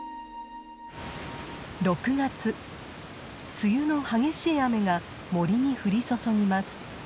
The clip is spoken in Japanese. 梅雨の激しい雨が森に降り注ぎます。